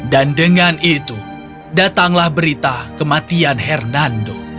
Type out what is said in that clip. dengan itu datanglah berita kematian hernando